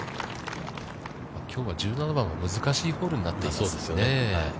きょうは１７番は難しいホールになっています。